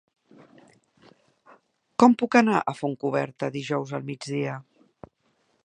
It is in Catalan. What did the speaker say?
Com puc anar a Fontcoberta dijous al migdia?